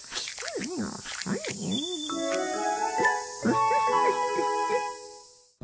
ウフフフフ。